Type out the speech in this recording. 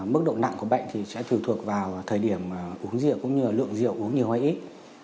mức độ nặng của bệnh sẽ thù thuộc vào thời điểm uống rượu cũng như lượng rượu uống nhiều hay ít